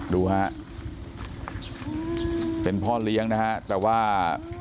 ดูฮะเป็นพ่อเลี้ยงนะฮะแต่ว่า